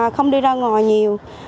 không đi ra ngồi nhiều